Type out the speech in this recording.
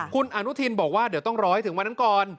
คุณอนุทินบอกว่าเดี๋ยวต้องรอให้ถึงวันนั้นก่อน